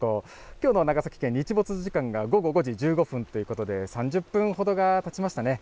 きょうの長崎県、日没の時間が午後５時３１分ということで、３０分ほどがたちましたね。